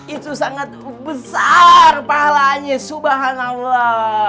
itu sangat besar pahalanya subhanallah